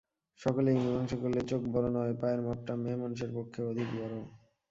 সকলেই মীমাংসা করলে, চোখ বড়ো নয়, পায়ের মাপটা মেয়েমানুষের পক্ষে অধিক বড়ো।